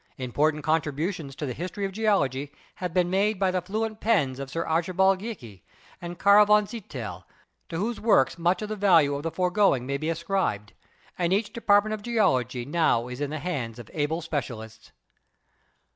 Important contributions to the history of geology have been made by the fluent pens of Sir Archibald Geikie and Karl von Zittell, to whose works much of the value of the foregoing may be ascribed ; and each department of Geology now is in the hands of able specialists.